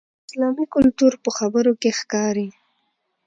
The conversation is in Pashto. اسلامي کلتور په خبرو کې ښکاري.